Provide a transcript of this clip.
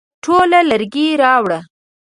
ټوله لرګي راوړه ؟